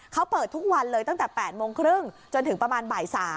เขาเปิดทุกวันเลยตั้งแต่๘โมงครึ่งจนถึงประมาณบ่าย๓